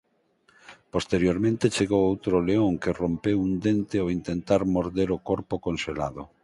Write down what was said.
Posteriormente chegou outro león que rompeu un dente ao intentar morder o corpo conxelado.